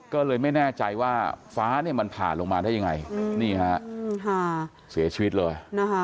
ก็เลยไม่แน่ใจว่าฟ้าเนี่ยมันผ่าลงมาได้ยังไงนี่ฮะเสียชีวิตเลย